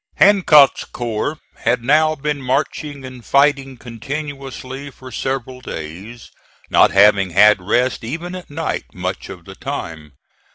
Hancock's corps had now been marching and fighting continuously for several days, not having had rest even at night much of the time.